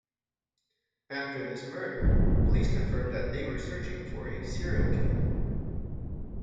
After this murder police confirmed that they were searching for a serial killer.